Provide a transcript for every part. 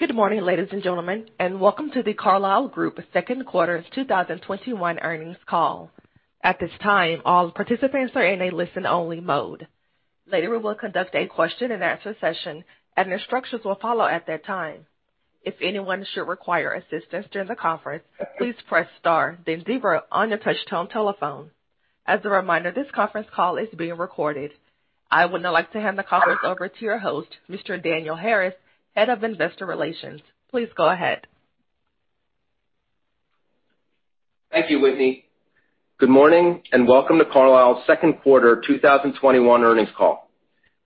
Good morning, ladies and gentlemen, and welcome to The Carlyle Group second quarter 2021 earnings call. At this time, all participants are in a listen-only mode. Later, we will conduct a question and answer session, and instructions will follow at that time. If anyone should require assistance during the conference, please press star then zero on your touchtone telephone. As a reminder, this conference call is being recorded. I would now like to hand the conference over to your host, Mr. Daniel Harris, Head of Investor Relations. Please go ahead. Thank you, Whitney. Good morning, and welcome to Carlyle's second quarter 2021 earnings call.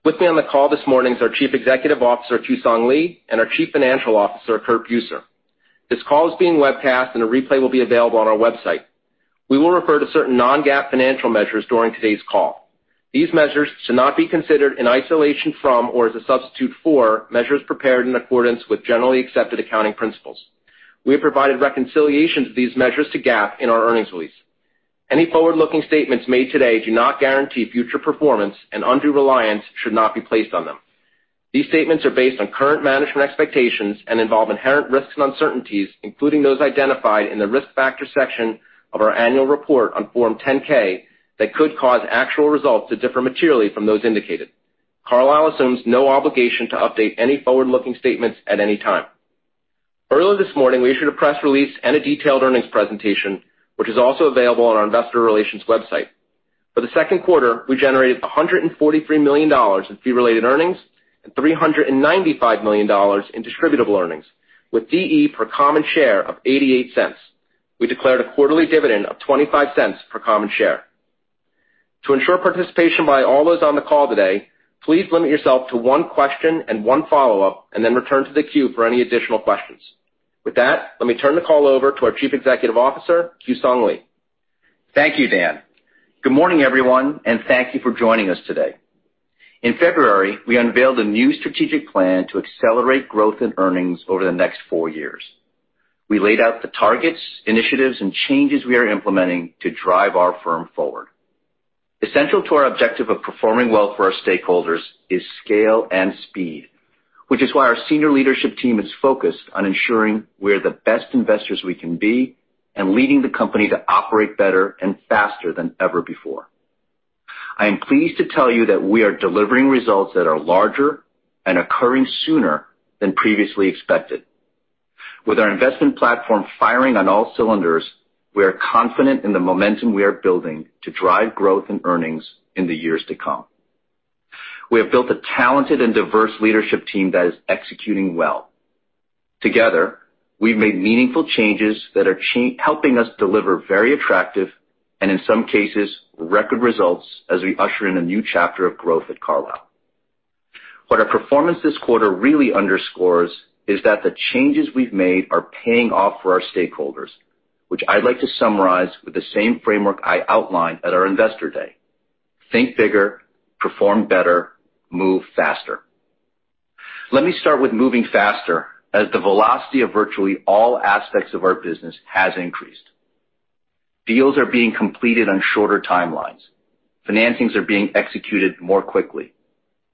With me on the call this morning is our Chief Executive Officer, Kewsong Lee, and our Chief Financial Officer, Curtis Buser. This call is being webcast, and a replay will be available on our website. We will refer to certain non-GAAP financial measures during today's call. These measures should not be considered in isolation from or as a substitute for measures prepared in accordance with generally accepted accounting principles. We have provided reconciliations of these measures to GAAP in our earnings release. Any forward-looking statements made today do not guarantee future performance, and undue reliance should not be placed on them. These statements are based on current management expectations and involve inherent risks and uncertainties, including those identified in the risk factor section of our annual report on Form 10-K, that could cause actual results to differ materially from those indicated. Carlyle assumes no obligation to update any forward-looking statements at any time. Earlier this morning, we issued a press release and a detailed earnings presentation, which is also available on our investor relations website. For the second quarter, we generated $143 million in fee-related earnings and $395 million in distributable earnings, with DE per common share of $0.88. We declared a quarterly dividend of $0.25 per common share. To ensure participation by all those on the call today, please limit yourself to one question and one follow-up, and then return to the queue for any additional questions. With that, let me turn the call over to our Chief Executive Officer, Kewsong Lee. Thank you, Dan. Good morning, everyone, and thank you for joining us today. In February, we unveiled a new strategic plan to accelerate growth and earnings over the next four years. We laid out the targets, initiatives, and changes we are implementing to drive our firm forward. Essential to our objective of performing well for our stakeholders is scale and speed, which is why our senior leadership team is focused on ensuring we are the best investors we can be and leading the company to operate better and faster than ever before. I am pleased to tell you that we are delivering results that are larger and occurring sooner than previously expected. With our investment platform firing on all cylinders, we are confident in the momentum we are building to drive growth and earnings in the years to come. We have built a talented and diverse leadership team that is executing well. Together, we've made meaningful changes that are helping us deliver very attractive, and in some cases, record results as we usher in a new chapter of growth at Carlyle. What our performance this quarter really underscores is that the changes we've made are paying off for our stakeholders, which I'd like to summarize with the same framework I outlined at our Investor Day: think bigger, perform better, move faster. Let me start with moving faster, as the velocity of virtually all aspects of our business has increased. Deals are being completed on shorter timelines. Financings are being executed more quickly.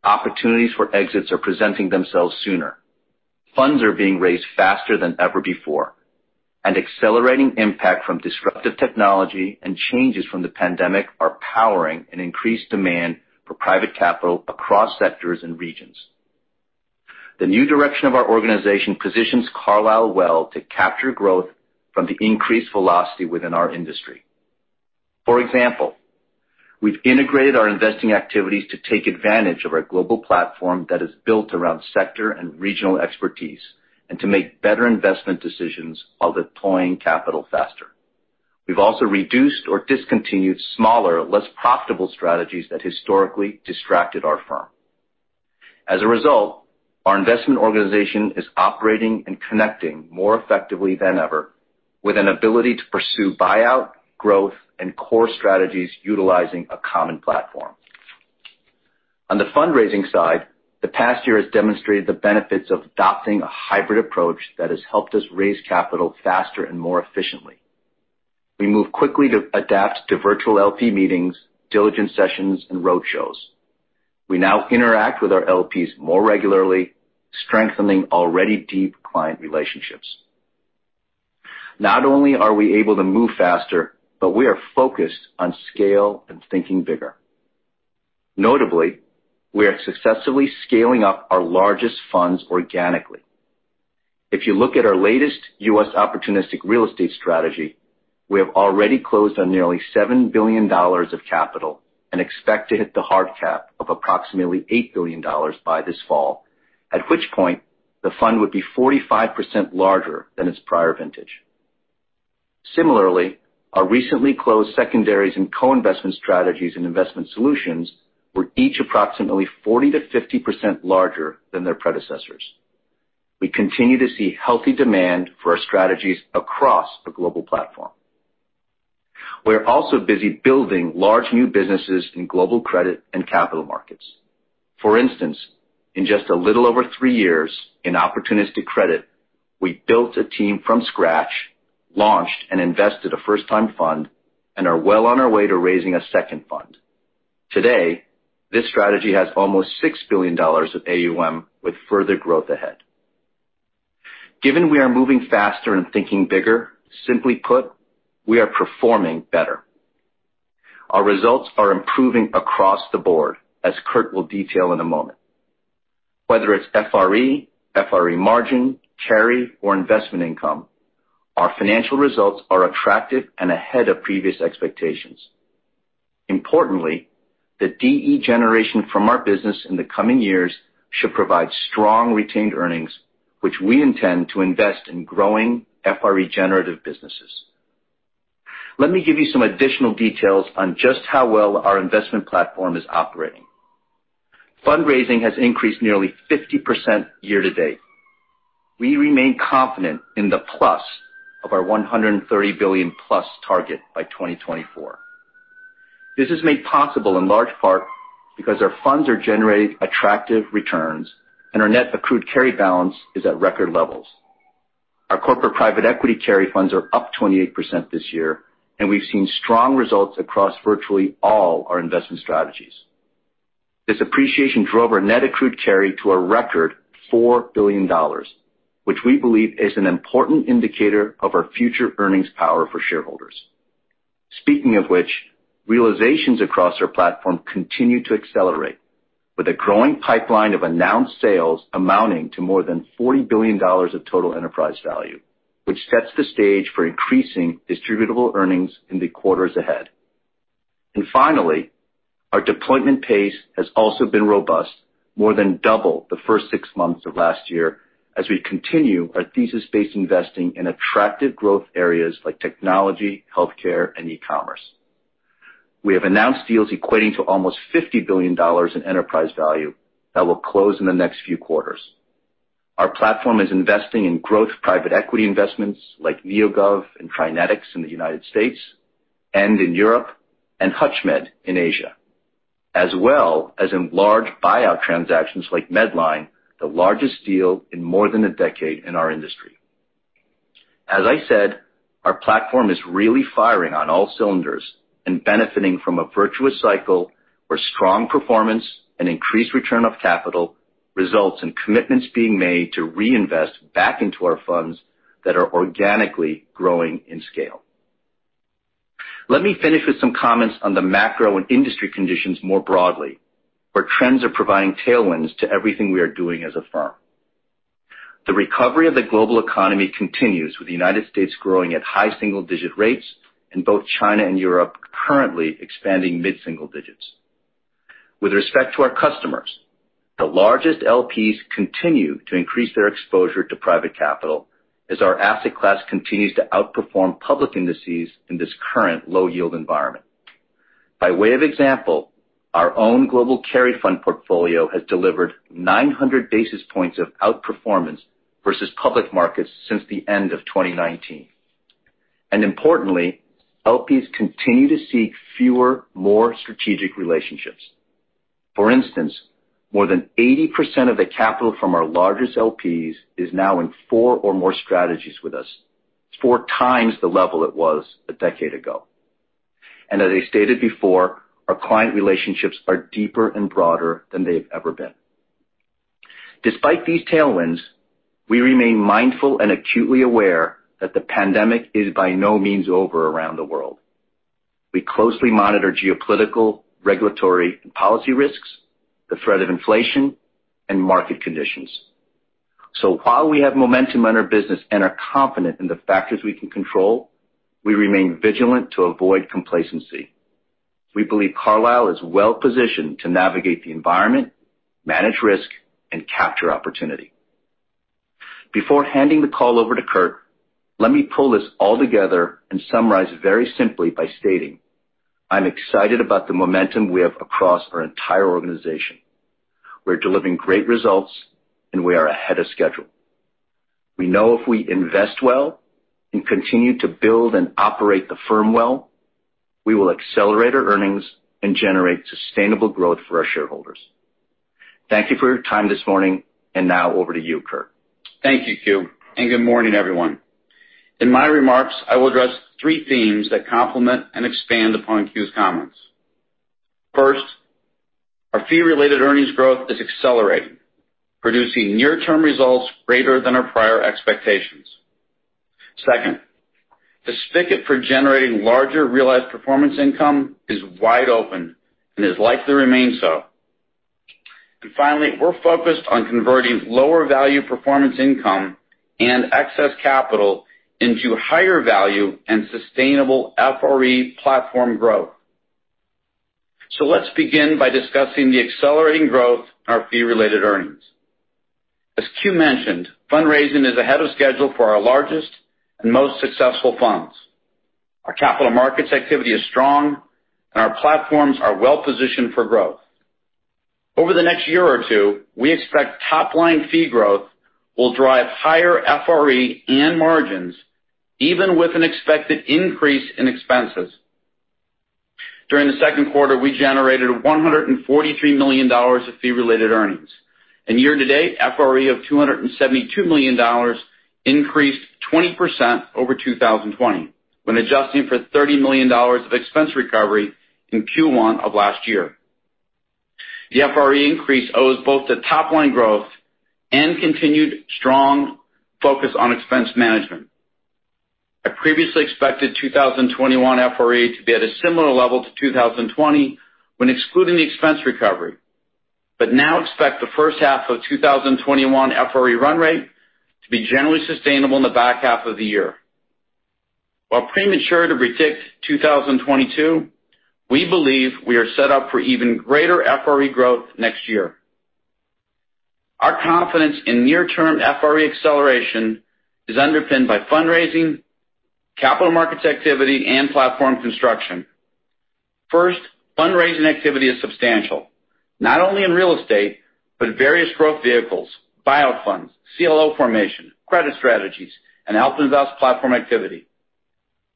Opportunities for exits are presenting themselves sooner. Funds are being raised faster than ever before. Accelerating impact from disruptive technology and changes from the pandemic are powering an increased demand for private capital across sectors and regions. The new direction of our organization positions Carlyle well to capture growth from the increased velocity within our industry. For example, we've integrated our investing activities to take advantage of our global platform that is built around sector and regional expertise, and to make better investment decisions while deploying capital faster. We've also reduced or discontinued smaller, less profitable strategies that historically distracted our firm. As a result, our investment organization is operating and connecting more effectively than ever with an ability to pursue buyout, growth, and core strategies utilizing a common platform. On the fundraising side, the past year has demonstrated the benefits of adopting a hybrid approach that has helped us raise capital faster and more efficiently. We moved quickly to adapt to virtual LP meetings, diligence sessions, and roadshows. We now interact with our LPs more regularly, strengthening already deep client relationships. Not only are we able to move faster, but we are focused on scale and thinking bigger. Notably, we are successfully scaling up our largest funds organically. If you look at our latest U.S. opportunistic real estate strategy, we have already closed on nearly $7 billion of capital and expect to hit the hard cap of approximately $8 billion by this fall, at which point the fund would be 45% larger than its prior vintage. Similarly, our recently closed secondaries and co-investment strategies and investment solutions were each approximately 40%-50% larger than their predecessors. We continue to see healthy demand for our strategies across the global platform. We are also busy building large new businesses in global credit and capital markets. For instance, in just a little over three years in opportunistic credit. We built a team from scratch, launched and invested a first-time fund, and are well on our way to raising a second fund. Today, this strategy has almost $6 billion of AUM, with further growth ahead. Given we are moving faster and thinking bigger, simply put, we are performing better. Our results are improving across the board, as Curt will detail in a moment. Whether it's FRE margin, carry, or investment income, our financial results are attractive and ahead of previous expectations. Importantly, the DE generation from our business in the coming years should provide strong retained earnings, which we intend to invest in growing FRE generative businesses. Let me give you some additional details on just how well our investment platform is operating. Fundraising has increased nearly 50% year-to-date. We remain confident in the plus of our $130 billion+ target by 2024. This is made possible in large part because our funds are generating attractive returns, and our net accrued carry balance is at record levels. Our corporate private equity carry funds are up 28% this year, and we've seen strong results across virtually all our investment strategies. This appreciation drove our net accrued carry to a record $4 billion, which we believe is an important indicator of our future earnings power for shareholders. Speaking of which, realizations across our platform continue to accelerate, with a growing pipeline of announced sales amounting to more than $40 billion of total enterprise value, which sets the stage for increasing distributable earnings in the quarters ahead. Finally, our deployment pace has also been robust, more than double the first six months of last year, as we continue our thesis-based investing in attractive growth areas like technology, healthcare, and e-commerce. We have announced deals equating to almost $50 billion in enterprise value that will close in the next few quarters. Our platform is investing in growth private equity investments like NEOGOV and TriNetX in the United States and in Europe, and HUTCHMED in Asia, as well as in large buyout transactions like Medline, the largest deal in more than a decade in our industry. I said, our platform is really firing on all cylinders and benefiting from a virtuous cycle where strong performance and increased return of capital results in commitments being made to reinvest back into our funds that are organically growing in scale. Let me finish with some comments on the macro and industry conditions more broadly, where trends are providing tailwinds to everything we are doing as a firm. The recovery of the global economy continues, with the U.S. growing at high single-digit rates and both China and Europe currently expanding mid-single digits. With respect to our customers, the largest LPs continue to increase their exposure to private capital as our asset class continues to outperform public indices in this current low-yield environment. By way of example, our own global carry fund portfolio has delivered 900 basis points of outperformance versus public markets since the end of 2019. Importantly, LPs continue to seek fewer, more strategic relationships. For instance, more than 80% of the capital from our largest LPs is now in four or more strategies with us. It's four times the level it was a decade ago. As I stated before, our client relationships are deeper and broader than they've ever been. Despite these tailwinds, we remain mindful and acutely aware that the pandemic is by no means over around the world. We closely monitor geopolitical, regulatory, and policy risks, the threat of inflation, and market conditions. While we have momentum in our business and are confident in the factors we can control, we remain vigilant to avoid complacency. We believe Carlyle is well positioned to navigate the environment, manage risk, and capture opportunity. Before handing the call over to Curt, let me pull this all together and summarize very simply by stating, I'm excited about the momentum we have across our entire organization. We're delivering great results, and we are ahead of schedule. We know if we invest well and continue to build and operate the firm well, we will accelerate our earnings and generate sustainable growth for our shareholders. Thank you for your time this morning, and now over to you, Curt. Thank you, Kew, good morning, everyone. In my remarks, I will address three themes that complement and expand upon Kew's comments. First, our fee-related earnings growth is accelerating, producing near-term results greater than our prior expectations. Second, the spigot for generating larger realized performance income is wide open and is likely to remain so. Finally, we're focused on converting lower value performance income and excess capital into higher value and sustainable FRE platform growth. Let's begin by discussing the accelerating growth in our fee-related earnings. As Kew mentioned, fundraising is ahead of schedule for our largest and most successful funds. Our capital markets activity is strong, and our platforms are well positioned for growth. Over the next year or two, we expect top-line fee growth will drive higher FRE and margins even with an expected increase in expenses. During the second quarter, we generated $143 million of fee-related earnings. Year-to-date, FRE of $272 million increased 20% over 2020, when adjusting for $30 million of expense recovery in Q1 of last year. The FRE increase owes both to top-line growth and continued strong focus on expense management. I previously expected 2021 FRE to be at a similar level to 2020 when excluding the expense recovery, but now expect the first half of 2021 FRE run rate to be generally sustainable in the back half of the year. Premature to predict 2022, we believe we are set up for even greater FRE growth next year. Our confidence in near-term FRE acceleration is underpinned by fundraising, capital markets activity, and platform construction. First, fundraising activity is substantial, not only in real estate, but various growth vehicles, buyout funds, CLO formation, credit strategies, and AlpInvest platform activity.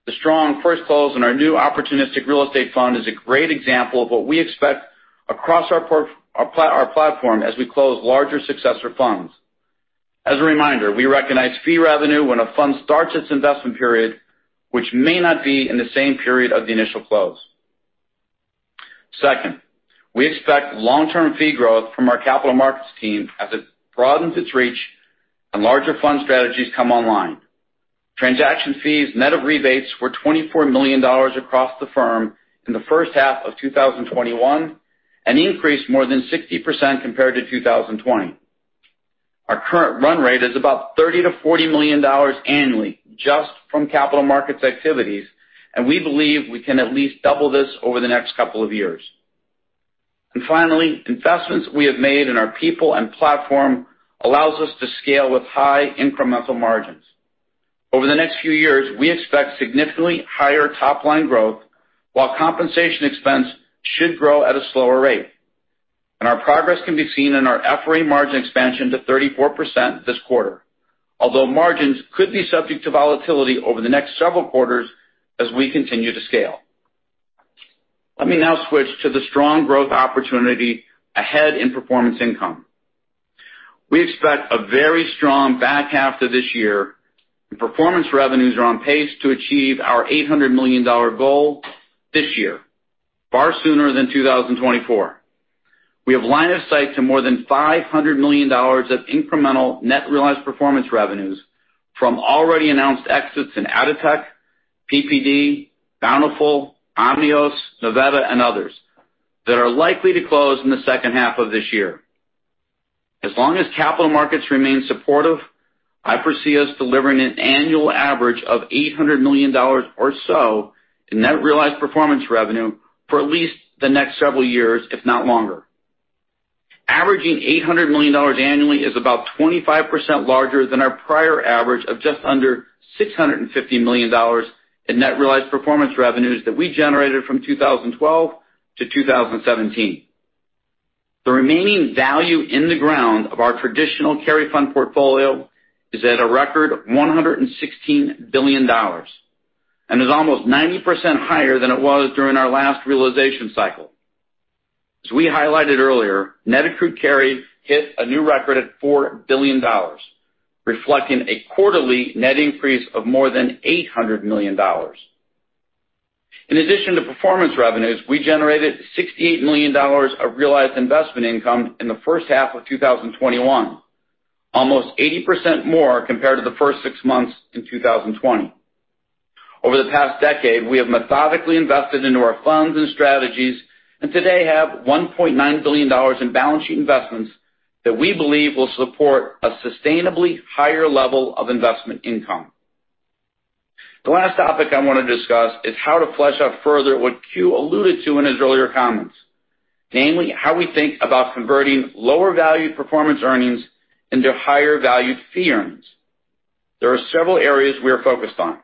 The strong first close in our new opportunistic real estate fund is a great example of what we expect across our platform as we close larger successor funds. As a reminder, we recognize fee revenue when a fund starts its investment period, which may not be in the same period of the initial close. Second, we expect long-term fee growth from our capital markets team as it broadens its reach and larger fund strategies come online. Transaction fees net of rebates were $24 million across the firm in the first half of 2021, an increase more than 60% compared to 2020. Our current run rate is about $30 million-$40 million annually just from capital markets activities, we believe we can at least double this over the next couple of years. Finally, investments we have made in our people and platform allows us to scale with high incremental margins. Over the next few years, we expect significantly higher top-line growth while compensation expense should grow at a slower rate. Our progress can be seen in our FRE margin expansion to 34% this quarter, although margins could be subject to volatility over the next several quarters as we continue to scale. Let me now switch to the strong growth opportunity ahead in performance income. We expect a very strong back half to this year, performance revenues are on pace to achieve our $800 million goal this year, far sooner than 2024. We have line of sight to more than $500 million of incremental net realized performance revenues from already announced exits in Atotech, PPD, Bountiful, Omnios, Novetta, and others that are likely to close in the second half of this year. As long as capital markets remain supportive, I foresee us delivering an annual average of $800 million or so in net realized performance revenue for at least the next several years, if not longer. Averaging $800 million annually is about 25% larger than our prior average of just under $650 million in net realized performance revenues that we generated from 2012 to 2017. The remaining value in the ground of our traditional carry fund portfolio is at a record $116 billion, and is almost 90% higher than it was during our last realization cycle. As we highlighted earlier, net accrued carry hit a new record at $4 billion, reflecting a quarterly net increase of more than $800 million. In addition to performance revenues, we generated $68 million of realized investment income in the first half of 2021, almost 80% more compared to the first six months in 2020. Over the past decade, we have methodically invested into our funds and strategies, and today have $1.9 billion in balance sheet investments that we believe will support a sustainably higher level of investment income. The last topic I want to discuss is how to flesh out further what Kew alluded to in his earlier comments. Namely, how we think about converting lower valued performance earnings into higher valued fee earnings. There are several areas we are focused on.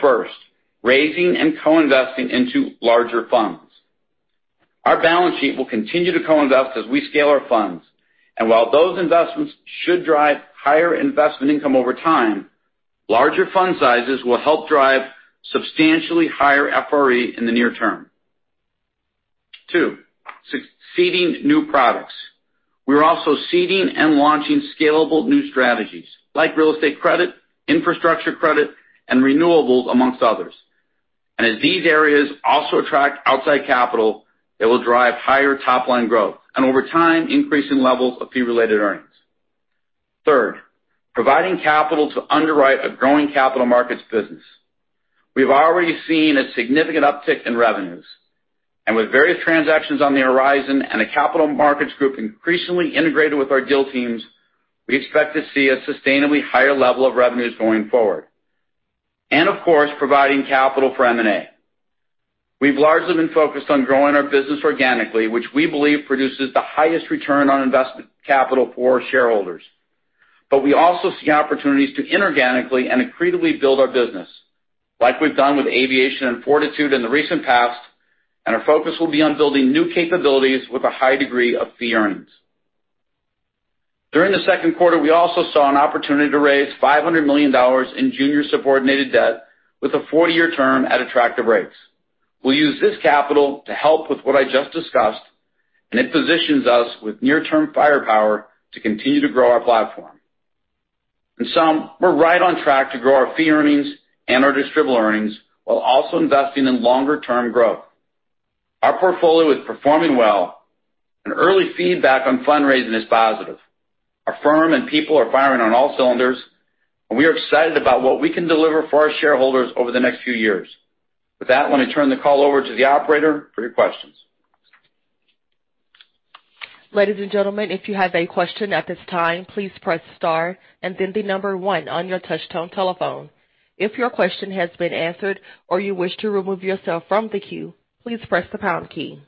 First, raising and co-investing into larger funds. Our balance sheet will continue to co-invest as we scale our funds. While those investments should drive higher investment income over time, larger fund sizes will help drive substantially higher FRE in the near term. Two, seeding new products. We're also seeding and launching scalable new strategies, like real estate credit, infrastructure credit, and renewables, amongst others. As these areas also attract outside capital, they will drive higher top-line growth, and over time, increasing levels of fee-related earnings. Third, providing capital to underwrite a growing capital markets business. We've already seen a significant uptick in revenues, and with various transactions on the horizon and a capital markets group increasingly integrated with our deal teams, we expect to see a sustainably higher level of revenues going forward. Of course, providing capital for M&A. We've largely been focused on growing our business organically, which we believe produces the highest return on investment capital for our shareholders. We also see opportunities to inorganically and accretively build our business, like we've done with Aviation and Fortitude in the recent past, and our focus will be on building new capabilities with a high degree of fee earnings. During the second quarter, we also saw an opportunity to raise $500 million in junior subordinated debt with a 40-year term at attractive rates. We'll use this capital to help with what I just discussed, and it positions us with near-term firepower to continue to grow our platform. In sum, we're right on track to grow our fee earnings and our distributable earnings while also investing in longer-term growth. Our portfolio is performing well, and early feedback on fundraising is positive. Our firm and people are firing on all cylinders, and we are excited about what we can deliver for our shareholders over the next few years. With that, let me turn the call over to the operator for your questions. Ladies and gentlemen if you have a question at this time, please press star and then number one on your touch telephone. If your question has been answered or you wish to remove your self in from the queue, please press star key.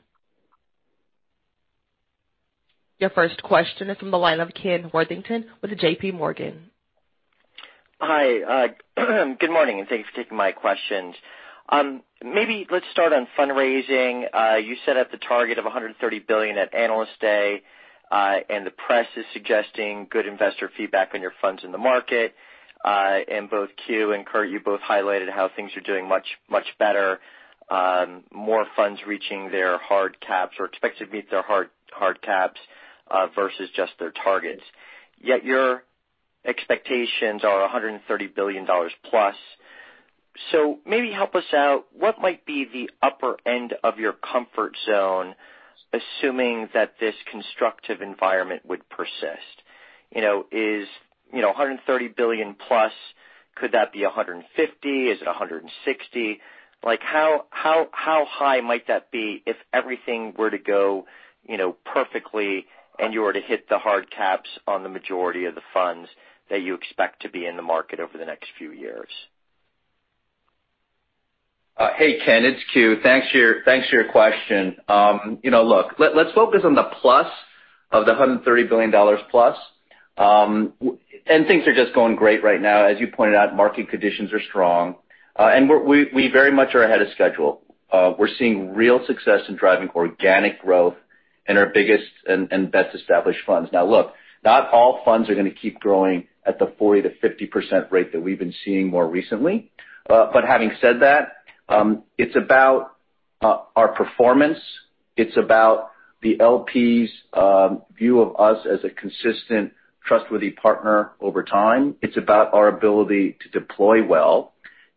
Your first question is from the line of Kenneth Worthington with J.P. Morgan. Hi. Good morning, and thank you for taking my questions. Maybe let's start on fundraising. You set up the target of $130 billion at Analyst Day, and the press is suggesting good investor feedback on your funds in the market. Both Kew and Curt, you both highlighted how things are doing much better, more funds reaching their hard caps or expected to meet their hard caps versus just their targets. Yet your expectations are $130 billion plus. Maybe help us out. What might be the upper end of your comfort zone, assuming that this constructive environment would persist? Is $130 billion plus, could that be $150? Is it $160? How high might that be if everything were to go perfectly, and you were to hit the hard caps on the majority of the funds that you expect to be in the market over the next few years? Hey, Ken. It's Kew. Thanks for your question. Look, let's focus on the plus of the $130 billion plus. Things are just going great right now. As you pointed out, market conditions are strong. We very much are ahead of schedule. We're seeing real success in driving organic growth in our biggest and best-established funds. Now, look, not all funds are going to keep growing at the 40%-50% rate that we've been seeing more recently. Having said that, it's about our performance. It's about the LPs' view of us as a consistent, trustworthy partner over time. It's about our ability to deploy well,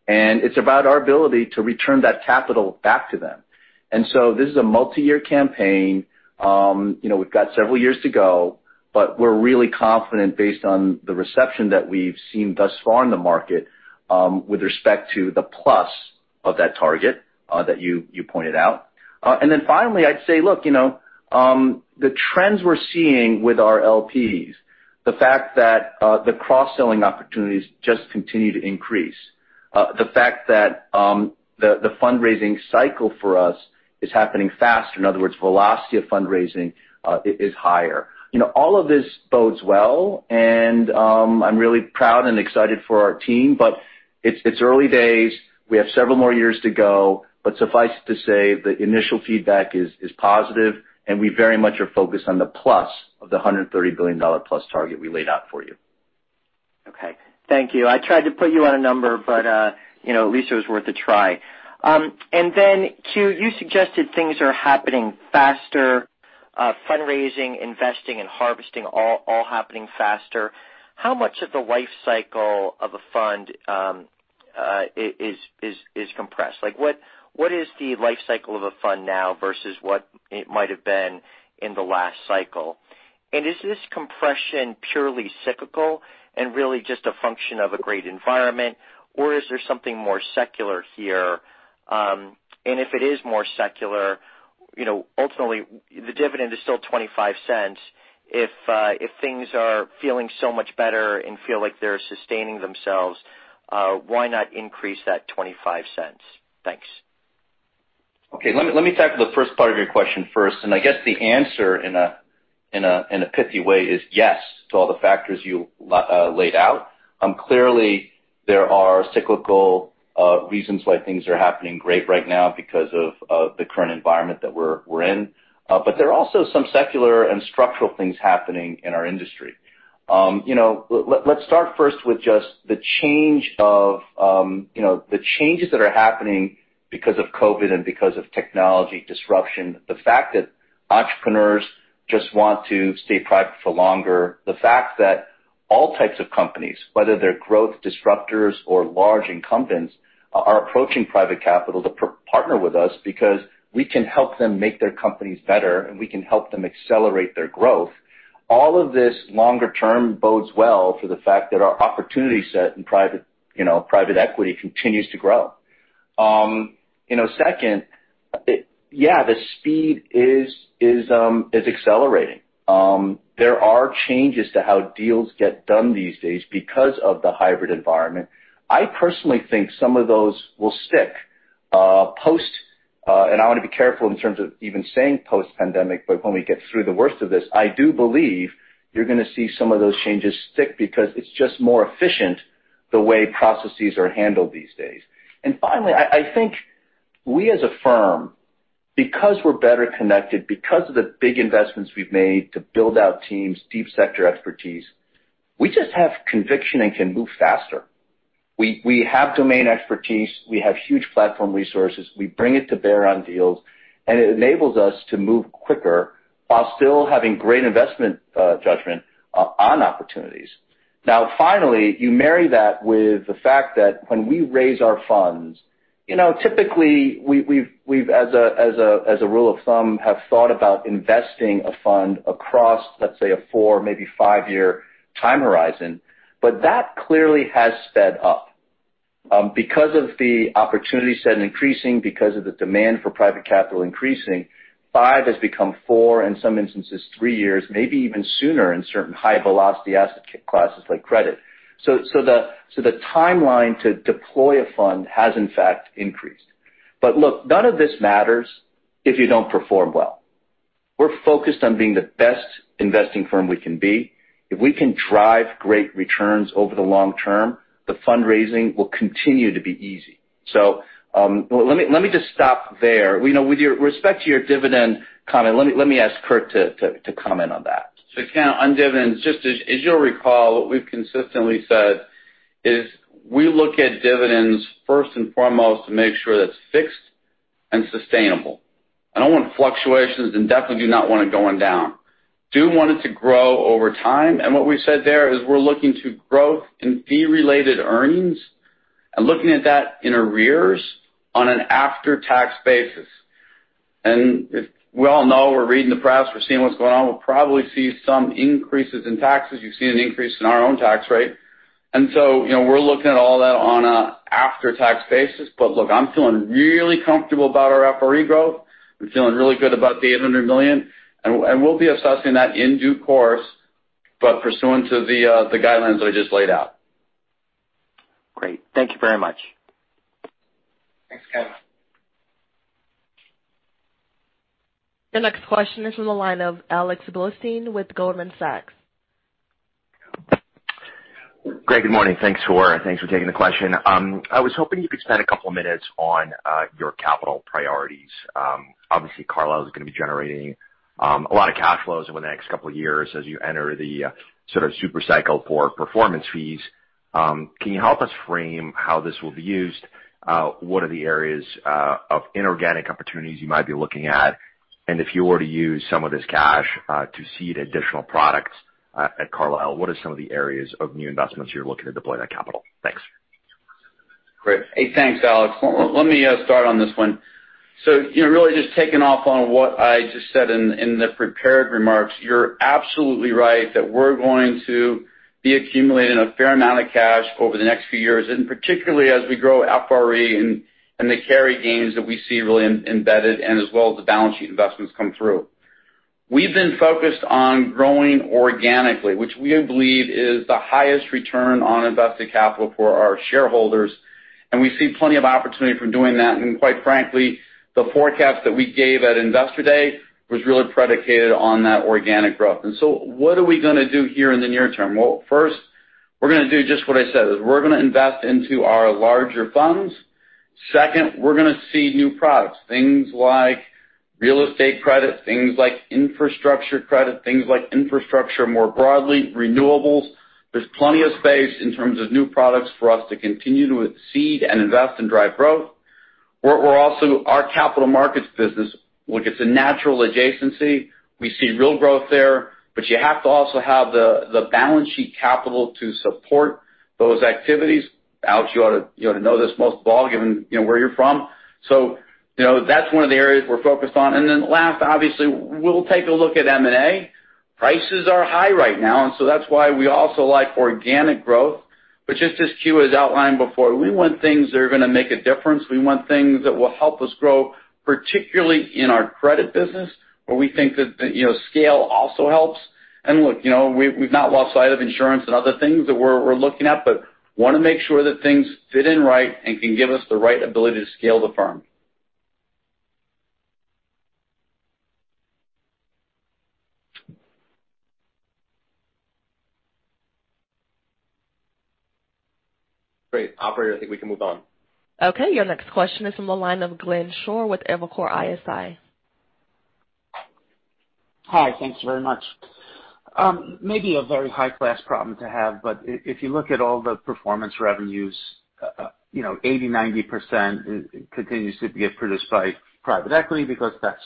and it's about our ability to return that capital back to them. This is a multi-year campaign. We've got several years to go, but we're really confident based on the reception that we've seen thus far in the market with respect to the plus of that target that you pointed out. Finally, I'd say, look, the trends we're seeing with our LPs, the fact that the cross-selling opportunities just continue to increase. The fact that the fundraising cycle for us is happening faster. In other words, velocity of fundraising is higher. All of this bodes well, and I'm really proud and excited for our team, but it's early days. We have several more years to go. Suffice to say, the initial feedback is positive, and we very much are focused on the plus of the $130 billion-plus target we laid out for you. Okay. Thank you. I tried to put you on a number, but at least it was worth a try. Then Kew, you suggested things are happening faster, fundraising, investing, and harvesting all happening faster. How much of the life cycle of a fund is compressed? What is the life cycle of a fund now versus what it might have been in the last cycle? Is this compression purely cyclical and really just a function of a great environment, or is there something more secular here? If it is more secular, ultimately the dividend is still $0.25. If things are feeling so much better and feel like they're sustaining themselves, why not increase that $0.25? Thanks. Okay. Let me tackle the first part of your question first, and I guess the answer in a pithy way is yes to all the factors you laid out. Clearly, there are cyclical reasons why things are happening great right now because of the current environment that we're in. There are also some secular and structural things happening in our industry. Let's start first with just the changes that are happening because of COVID and because of technology disruption. The fact that entrepreneurs just want to stay private for longer, the fact that all types of companies, whether they're growth disruptors or large incumbents, are approaching private capital to partner with us because we can help them make their companies better, and we can help them accelerate their growth. All of this longer term bodes well for the fact that our opportunity set in private equity continues to grow. Second, yeah, the speed is accelerating. There are changes to how deals get done these days because of the hybrid environment. I personally think some of those will stick, and I want to be careful in terms of even saying post-pandemic, but when we get through the worst of this, I do believe you're going to see some of those changes stick because it's just more efficient the way processes are handled these days. Finally, I think we as a firm Because we're better connected, because of the big investments we've made to build out teams, deep sector expertise, we just have conviction and can move faster. We have domain expertise. We have huge platform resources. We bring it to bear on deals, and it enables us to move quicker while still having great investment judgment on opportunities. Now, finally, you marry that with the fact that when we raise our funds, typically, we've as a rule of thumb, have thought about investing a fund across, let's say, a four, maybe five-year time horizon. That clearly has sped up. Because of the opportunity set increasing, because of the demand for private capital increasing, five has become four, in some instances, three years, maybe even sooner in certain high-velocity asset classes like credit. The timeline to deploy a fund has, in fact, increased. Look, none of this matters if you don't perform well. We're focused on being the best investing firm we can be. If we can drive great returns over the long term, the fundraising will continue to be easy. Let me just stop there. With respect to your dividend comment, let me ask Curt to comment on that. Ken, on dividends, just as you'll recall, what we've consistently said is we look at dividends first and foremost to make sure that it's fixed and sustainable. I don't want fluctuations and definitely do not want it going down. Do want it to grow over time. What we've said there is we're looking to growth in fee-related earnings and looking at that in arrears on an after-tax basis. We all know, we're reading the press, we're seeing what's going on. We'll probably see some increases in taxes. You've seen an increase in our own tax rate. We're looking at all that on an after-tax basis. Look, I'm feeling really comfortable about our FRE growth. I'm feeling really good about the $800 million, and we'll be assessing that in due course, but pursuant to the guidelines that I just laid out. Great. Thank you very much. Thanks, Ken. Your next question is on the line of Alex Blostein with Goldman Sachs. Curt, good morning. Thanks for taking the question. I was hoping you could spend a couple of minutes on your capital priorities. Obviously, Carlyle is going to be generating a lot of cash flows over the next couple of years as you enter the sort of super cycle for performance fees. Can you help us frame how this will be used? What are the areas of inorganic opportunities you might be looking at? If you were to use some of this cash to seed additional products at Carlyle, what are some of the areas of new investments you're looking to deploy that capital? Thanks. Great. Hey, thanks, Alex. Let me start on this one. Really just taking off on what I just said in the prepared remarks, you're absolutely right that we're going to be accumulating a fair amount of cash over the next few years, and particularly as we grow FRE and the carry gains that we see really embedded, and as well as the balance sheet investments come through. We've been focused on growing organically, which we believe is the highest return on invested capital for our shareholders, and we see plenty of opportunity for doing that. Quite frankly, the forecast that we gave at Investor Day was really predicated on that organic growth. What are we going to do here in the near term? Well, first, we're going to do just what I said, is we're going to invest into our larger funds. Second, we're going to see new products, things like real estate credit, things like infrastructure credit, things like infrastructure more broadly, renewables. There's plenty of space in terms of new products for us to continue to seed and invest and drive growth. We're also our capital markets business, which it's a natural adjacency. We see real growth there, but you have to also have the balance sheet capital to support those activities. Alex, you ought to know this most of all, given where you're from. That's one of the areas we're focused on. Last, obviously, we'll take a look at M&A. Prices are high right now, and so that's why we also like organic growth. Just as Kew was outlined before, we want things that are going to make a difference. We want things that will help us grow, particularly in our credit business, where we think that scale also helps. Look, we've not lost sight of insurance and other things that we're looking at, but want to make sure that things fit in right and can give us the right ability to scale the firm. Great. Operator, I think we can move on. Okay, your next question is from the line of Glenn Schorr with Evercore ISI. Hi. Thanks very much. Maybe a very high-class problem to have, if you look at all the performance revenues, 80%-90% continues to get produced by private equity because that's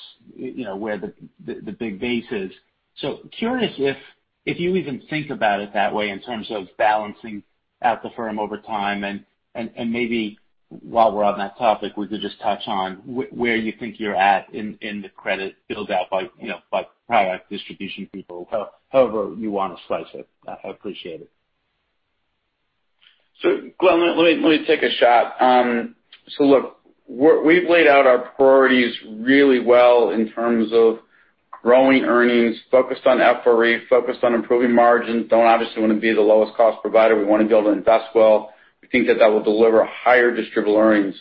where the big base is. Curious if you even think about it that way in terms of balancing out the firm over time. Maybe while we're on that topic, we could just touch on where you think you're at in the credit build-out by product distribution people, however you want to slice it. I appreciate it. Glenn, let me take a shot. Look, we've laid out our priorities really well in terms of growing earnings, focused on FRE, focused on improving margins. Don't obviously want to be the lowest cost provider. We want to be able to invest well. We think that that will deliver higher distributable earnings.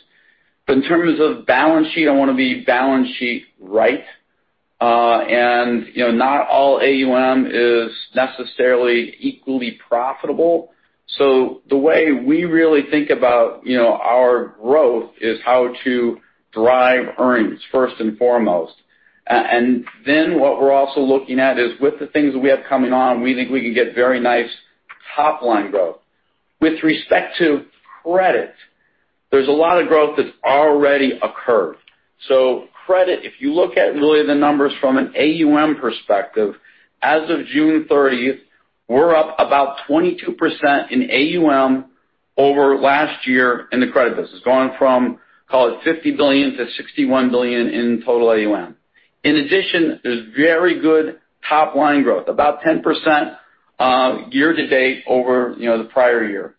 In terms of balance sheet, I want to be balance sheet right. And not all AUM is necessarily equally profitable. The way we really think about our growth is how to drive earnings first and foremost. Then what we're also looking at is with the things that we have coming on, we think we can get very nice top-line growth. With respect to credit, there's a lot of growth that's already occurred. Credit, if you look at really the numbers from an AUM perspective, as of June 30th, we're up about 22% in AUM over last year in the credit business, going from, call it $50 billion to $61 billion in total AUM. In addition, there's very good top-line growth, about 10% year to date over the prior year.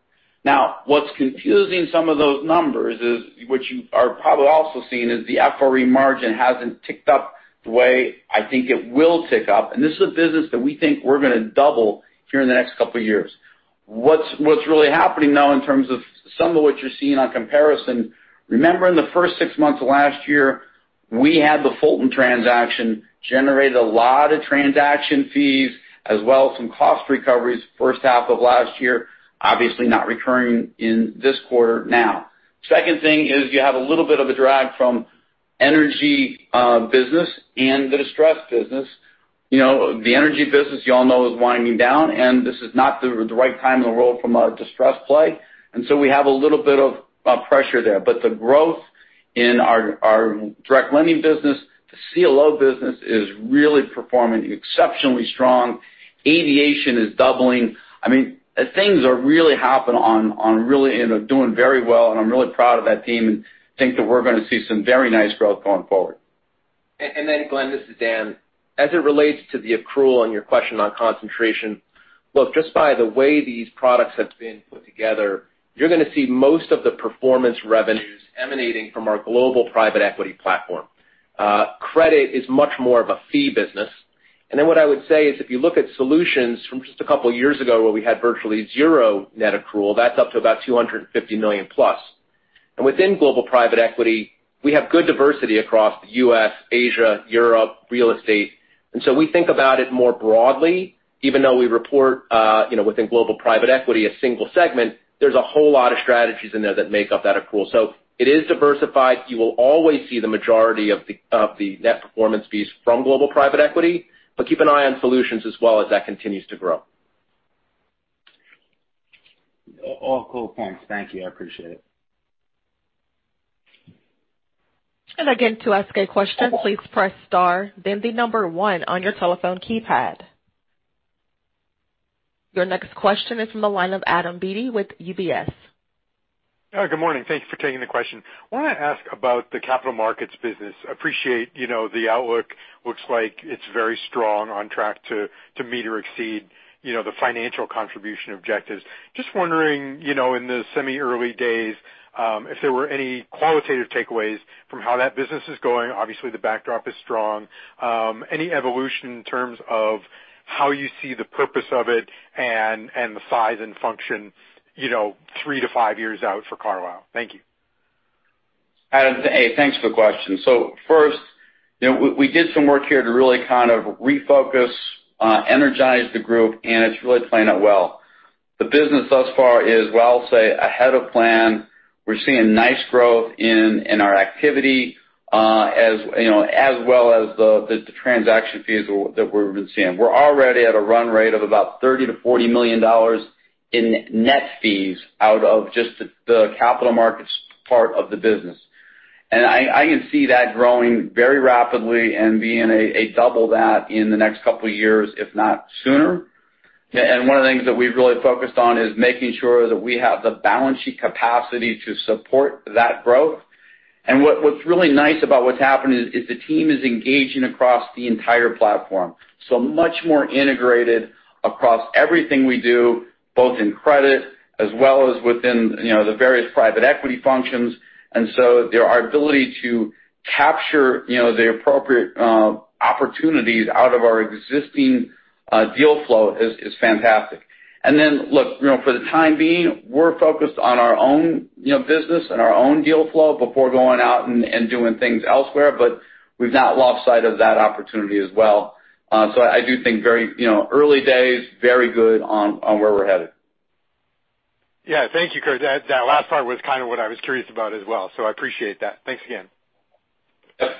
What's confusing some of those numbers is what you are probably also seeing is the FRE margin hasn't ticked up the way I think it will tick up. This is a business that we think we're going to double here in the next couple of years. What's really happening, though, in terms of some of what you're seeing on comparison, remember in the first six months of last year, we had the Fortitude transaction, generated a lot of transaction fees as well as some cost recoveries first half of last year, obviously not recurring in this quarter now. Second thing is you have a little bit of a drag from energy business and the distressed business. The energy business, you all know, is winding down, and this is not the right time in the world from a distressed play. We have a little bit of pressure there. The growth in our direct lending business, the CLO business is really performing exceptionally strong. Aviation is doubling. Things are really happening on really doing very well. I'm really proud of that team and think that we're going to see some very nice growth going forward. Glenn, this is Daniel. As it relates to the accrual and your question on concentration, look, just by the way these products have been put together, you're going to see most of the performance revenues emanating from our global private equity platform. Credit is much more of a fee business. What I would say is if you look at solutions from just a couple of years ago where we had virtually zero net accrual, that's up to about $250 million+. Within global private equity, we have good diversity across the U.S., Asia, Europe, real estate. We think about it more broadly. Even though we report within global private equity a single segment, there's a whole lot of strategies in there that make up that accrual. It is diversified. You will always see the majority of the net performance fees from global private equity, but keep an eye on solutions as well as that continues to grow. All cool points. Thank you. I appreciate it. Again, to ask a question, please press star then one on your telephone keypad. Your next question is from the line of Adam Beatty with UBS. Good morning. Thank you for taking the question. I want to ask about the capital markets business. Appreciate the outlook. Looks like it's very strong, on track to meet or exceed the financial contribution objectives. Just wondering, in the semi-early days, if there were any qualitative takeaways from how that business is going. Obviously, the backdrop is strong. Any evolution in terms of how you see the purpose of it and the size and function three to five years out for Carlyle? Thank you. Adam, hey, thanks for the question. First, we did some work here to really kind of refocus, energize the group, and it's really playing out well. The business thus far is, well, I'll say ahead of plan. We're seeing nice growth in our activity as well as the transaction fees that we've been seeing. We're already at a run rate of about $30 million-$40 million in net fees out of just the capital markets part of the business. I can see that growing very rapidly and being a double that in the next couple of years, if not sooner. One of the things that we've really focused on is making sure that we have the balance sheet capacity to support that growth. What's really nice about what's happened is the team is engaging across the entire platform. Much more integrated across everything we do, both in credit as well as within the various private equity functions. Our ability to capture the appropriate opportunities out of our existing deal flow is fantastic. Then, look, for the time being, we're focused on our own business and our own deal flow before going out and doing things elsewhere, but we've not lost sight of that opportunity as well. I do think very early days, very good on where we're headed. Yeah. Thank you, Curt. That last part was kind of what I was curious about as well. I appreciate that. Thanks again. Yes.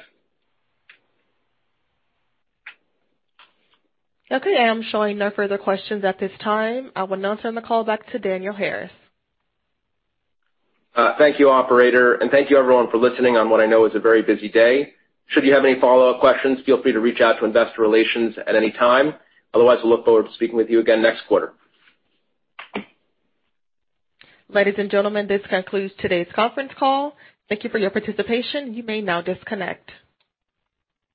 Okay, I am showing no further questions at this time. I will now turn the call back to Daniel Harris. Thank you, operator, and thank you everyone for listening on what I know is a very busy day. Should you have any follow-up questions, feel free to reach out to investor relations at any time. Otherwise, we look forward to speaking with you again next quarter. Ladies and gentlemen, this concludes today's conference call. Thank you for your participation. You may now disconnect.